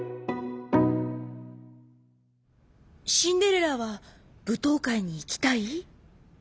「シンデレラはぶとうかいにいきたい？」。